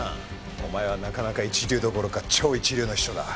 お前はなかなか一流どころか超一流の秘書だ。